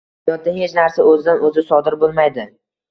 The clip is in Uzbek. Hayotda hech narsa o’zidan o’zi sodir bo’lmaydi